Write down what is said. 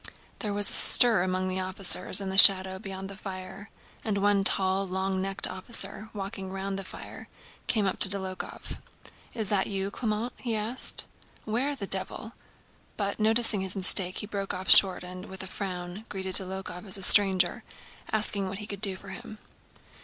There was a stir among the officers in the shadow beyond the fire, and one tall, long necked officer, walking round the fire, came up to Dólokhov. "Is that you, Clément?" he asked. "Where the devil...?" But, noticing his mistake, he broke off short and, with a frown, greeted Dólokhov as a stranger, asking what he could do for him.